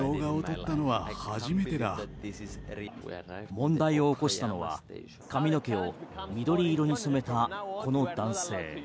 問題を起こしたのは髪の毛を緑色に染めたこの男性。